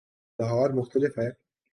لاہور مختلف ہے۔